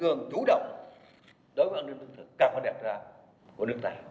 chúng tôi thủ động đối với an ninh lương thực càng phải đạt ra của nước ta